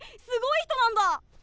すごい人なんだ？